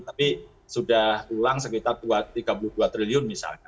tapi sudah ulang sekitar tiga puluh dua triliun misalnya